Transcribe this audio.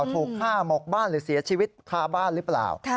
ถูกฆ่าหมกบ้านหรือเสียชีวิตคาบ้านหรือเปล่า